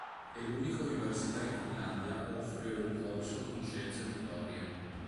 È l'unica università in Finlandia a offrire un corso in scienze motorie.